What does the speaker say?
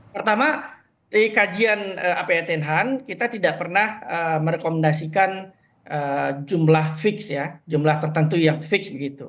pertama di kajian apa tnh kita tidak pernah merekomendasikan jumlah fix jumlah tertentu yang fix